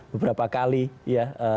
beberapa kali ya